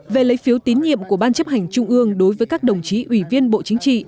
về lấy phiếu tín nhiệm của ban chấp hành trung ương đối với các đồng chí ủy viên bộ chính trị